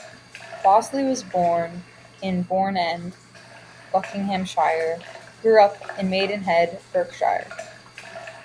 Bosley was born in Bourne End, Buckinghamshire, grew up in Maidenhead, Berkshire.